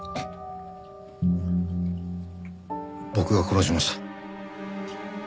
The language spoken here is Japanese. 僕が殺しました。